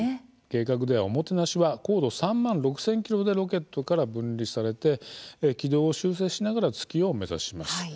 計画では、オモテナシは高度３万６０００ｋｍでロケットから分離されて軌道を修正しながら月を目指します。